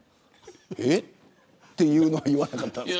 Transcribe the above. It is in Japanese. えっていうのは言わなかったんですか。